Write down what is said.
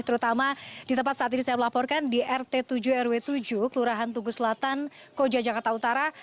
terutama di tempat saat ini saya melaporkan di rt tujuh rw tujuh kelurahan tugu selatan koja jakarta utara